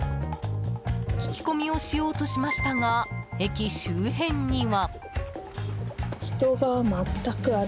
聞き込みをしようとしましたが駅周辺には。